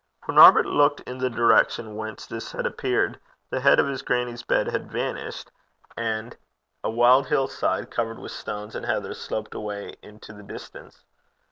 When Robert looked in the direction whence this last had appeared, the head of his grannie's bed had vanished, and a wild hill side, covered with stones and heather, sloped away into the distance.